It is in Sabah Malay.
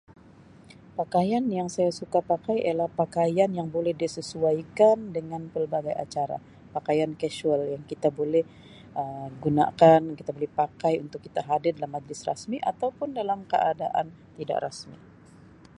Pakaian yang saya suka pakai ialah pakaian yang boleh disesuaikan dengan pelbagai acara pakaian kasual yang kita boleh Um gunakan kita boleh pakai untuk kita hadir dalam majlis rasmi atau pun dengan keadaan tidak rasmi.